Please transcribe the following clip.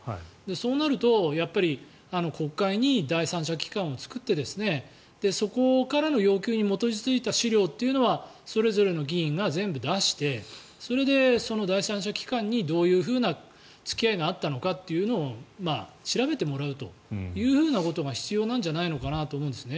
そうなると国会に第三者機関を作ってそこからの要求に基づいた資料というのをそれぞれの議員が全部出してそれで、第三者機関にどういうふうな付き合いがあったのかっていうのを調べてもらうということが必要なんじゃないかと思うんです。